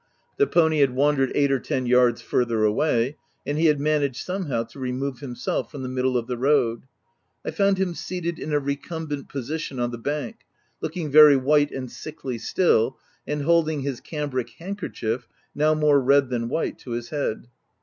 The pony had wandered eight or ten yards farther away ; and . he had managed, somehow, to remove himself from the middle of the road : I found him seated in a recumbent position on the bank, — looking very white and sickly still, and holding his cambric handkerchief (now more red than white) to his head.